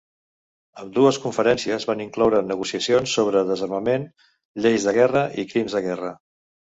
Ambdues conferències van incloure negociacions sobre desarmament, lleis de guerra i crims de guerra.